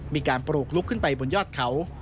มีการปลูกลุกขึ้นไปบนยอดเขา